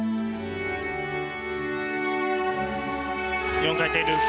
４回転ループ。